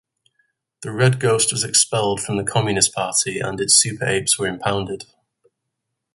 The Red Ghost was expelled from the Communist Party and his Super-Apes were impounded.